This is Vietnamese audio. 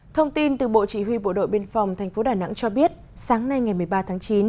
thông tin từ bộ chỉ huy bộ đội biên phòng tp đà nẵng cho biết sáng nay ngày một mươi ba tháng chín